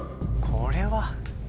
これは。